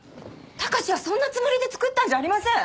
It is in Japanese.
隆はそんなつもりで作ったんじゃありません！